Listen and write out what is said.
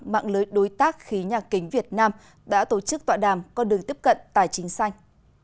mạng lưới đối tác khí nhà kính việt nam đã tổ chức tọa đàm con đường tiếp cận tài chính xanh